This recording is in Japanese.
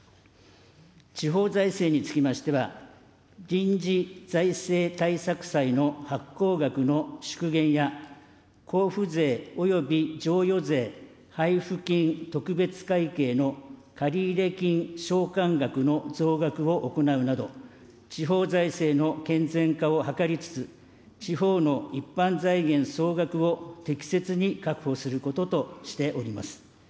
地方財政につきましては、臨時財政対策債の発行額の縮減や、交付税および譲与税配付金特別会計の借入金償還額の増額を行うなど、地方財政の健全化を図りつつ、地方の一般財源総額を適切に確保することとしております。